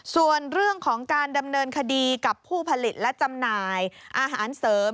ส่วนเรื่องของการดำเนินคดีกับผู้ผลิตและจำหน่ายอาหารเสริม